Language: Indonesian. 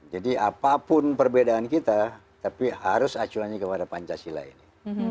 apapun perbedaan kita tapi harus acuannya kepada pancasila ini